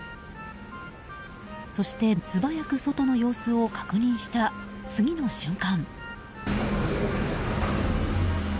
そして素早く外の様子を確認した次の瞬間。